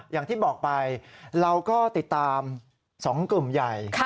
อย่างที่บอกไปเราก็ติดตาม๒กลุ่มใหญ่